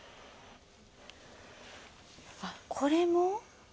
あっこれも？